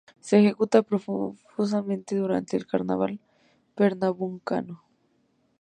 Se ejecuta profusamente durante el carnaval pernambucano.